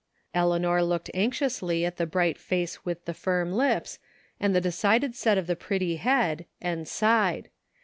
'^ Eleanor looked anxiously at the bright face with the firm lips, and the decided set of the pretty head, and sighed.